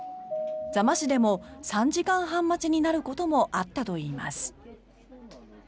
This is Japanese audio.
座間市でも３時間半待ちになることもあったということです。